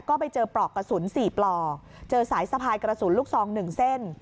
ก็ไปเจอปลอกกระสุน๔ปลอกเจอสายสะพายกระสุนลูกซอง๑เส้น